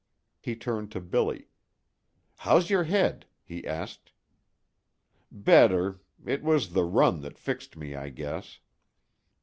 He turned to Billy. "How's your head?" he asked. "Better. It was the run that fixed me, I guess."